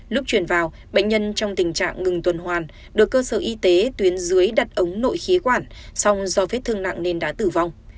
lúc truyền vào bệnh nhân trong tình trạng ngừng tuần hoàn được cơ sở y tế tuyến dưới đặt ống nội khí quản